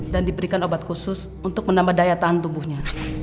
dan diberikan obat khusus untuk menambah daya tahan tubuhnya